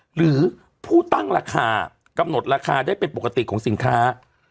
หรือผู้ตั้งราคากำหนดราคาได้เป็นปกติของสินค้า